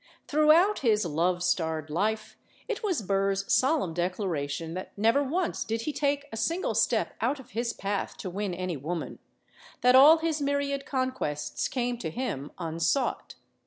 Throughout his love starred life it was Burr's solemn declaration that never once did he take a single step out of his path to win any woman ; that all his myriad conquests came to him unsought.